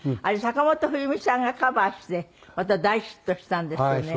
あれ坂本冬美さんがカバーしてまた大ヒットしたんですよね。